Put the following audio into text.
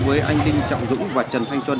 với anh đinh trọng dũng và trần thanh xuân